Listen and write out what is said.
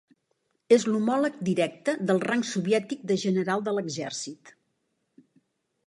És l'homòleg directe del rang soviètic de "General de l'exèrcit".